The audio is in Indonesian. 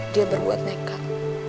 dia berbuat negat